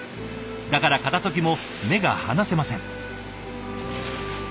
だから片ときも目が離せません。